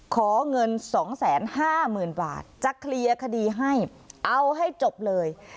ขอเงินสองแสนห้าหมื่นบาทจะเคลียร์คดีให้เอาให้จบเลย